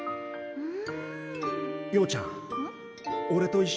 うん！